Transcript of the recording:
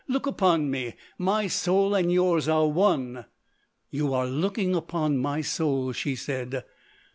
Look upon me! My soul and yours are one!" "You are looking upon my soul," she said.